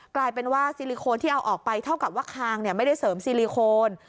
กลายเป็นว่าซิลิโคนที่เอาออกไปเท่ากับว่าคางไม่ได้เสริมซีลิโคน